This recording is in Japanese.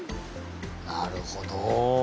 なるほど！